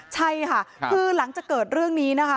ใช่ค่ะคือหลังจากเกิดเรื่องนี้นะคะ